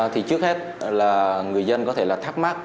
thì trước hết là người dân có thể là thắc mắc